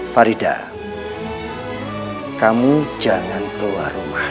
farida kamu jangan keluar rumah